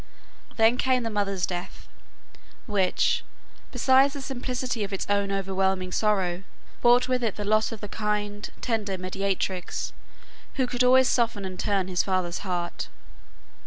Then came the mother's death, which, besides the simplicity of its own overwhelming sorrow, brought with it the loss of the kind, tender mediatrix, who could always soften and turn his father's heart.